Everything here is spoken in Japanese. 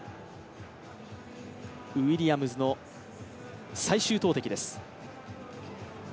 ウィリアムズの最終投てきです。